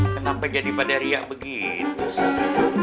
kenapa jadi pada riak begitu sih